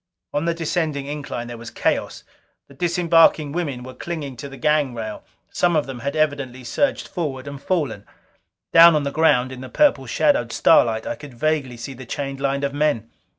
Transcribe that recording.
On the descending incline there was chaos. The disembarking women were clinging to the gang rail; some of them had evidently surged forward and fallen. Down on the ground in the purple shadowed starlight, I could vaguely see the chained line of men.